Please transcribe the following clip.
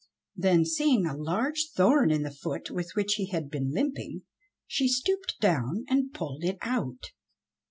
Then seeing a large thorn in the foot with which he had been limping, she stooped down and pulled it out.